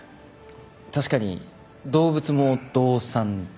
確かに動物も動産です。